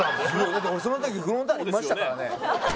だって俺その時フロンターレいましたからね。